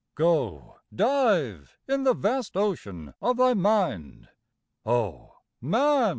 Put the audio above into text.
Go, dive in the vast ocean of thy mind, O man!